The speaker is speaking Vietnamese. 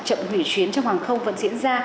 chậm hủy chuyến trong hàng không vẫn diễn ra